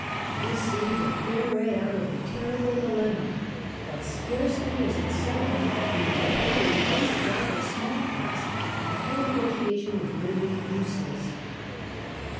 This seemed a fair way out of the terrible dilemma, but scarcely was it settled when the Bavarian prince died of small pox, and the whole negotiation was rendered useless.